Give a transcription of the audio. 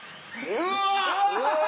うわ！